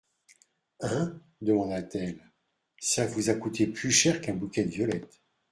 Hein ? demanda-t-elle, ça vous a coûté plus cher qu'un bouquet de violettes.